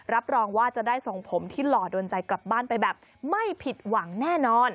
รับรองว่าจะได้ทรงผมที่หล่อโดนใจกลับบ้านไปแบบไม่ผิดหวังแน่นอน